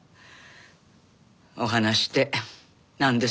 お話ってなんですの？